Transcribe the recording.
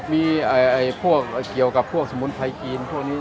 มีพวกเกี่ยวกับพวกสมุนไพรจีนพวกนี้